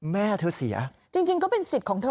แม่เธอเสียจริงก็เป็นสิทธิ์ของเธอ